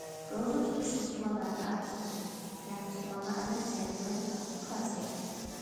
روزا تۇتۇش مۇسۇلمانلارنىڭ ئەركىنلىكى، مەن مۇسۇلمانلا ئەمەس، يەنە دۆلەتنىڭ پۇقراسى.